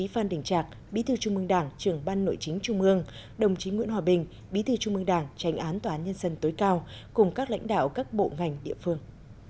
phan đình trạc bí thư trung mương đảng trưởng ban nội chính trung mương đồng chí nguyễn hòa bình bí thư trung mương đảng tránh án tòa án nhân dân tối cao cùng các lãnh đạo các bộ ngành địa phương